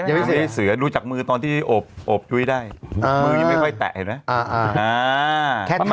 ยังไม่ใช่เสือดูจากมือตอนที่โอบโอบชุยได้อ่ามือยังไม่ค่อยแตะเห็นไหมอ่าอ่า